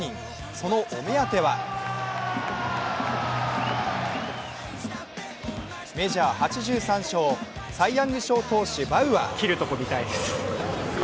そのお目手当はメジャー８３勝、サイ・ヤング投手、バウアー。